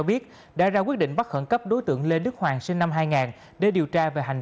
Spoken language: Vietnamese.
biết đã ra quyết định bắt khẩn cấp đối tượng lê đức hoàng sinh năm hai nghìn để điều tra về hành